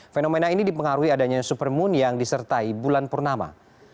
fenomena ini dipengaruhi adanya supermoon yang disertai bulan purnama